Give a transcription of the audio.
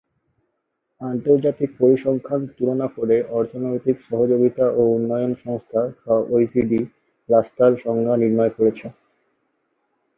আন্তর্জাতিক পরিসংখ্যান তুলনা করে অর্থনৈতিক সহযোগিতা ও উন্নয়ন সংস্থা বা ওইসিডি রাস্তার সংজ্ঞা নির্ণয় করেছে।